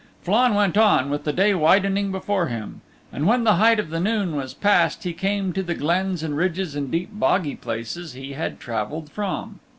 Flann went on with the day widening before him and when the height of the noon was past he came to the glens and ridges and deep boggy places he had traveled from.